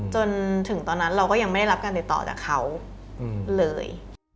จนถึงตอนนั้นเราก็ยังไม่ได้รับการติดต่อจากเขาเลย